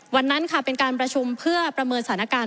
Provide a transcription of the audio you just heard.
วันนั้นค่ะเป็นการประชุมเพื่อประเมินสถานการณ์